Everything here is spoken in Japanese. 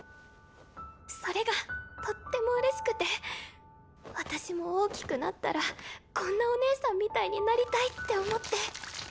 それがとってもうれしくて私も大きくなったらこんなおねえさんみたいになりたいって思って。